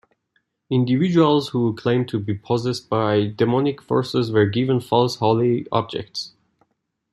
Individuals who claimed to be possessed by demonic forces were given false holy objects.